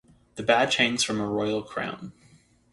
The badge hangs from a royal crown.